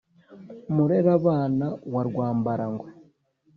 murerabana wa rwambarangwe,